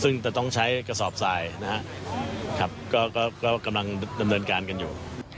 ซึ่งจะต้องใช้กระสอบทรายนะครับก็กำลังดำเนินการกันอยู่